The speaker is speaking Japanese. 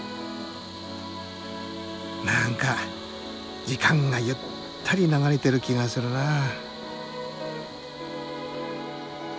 何か時間がゆったり流れてる気がするなあ。